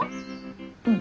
うん。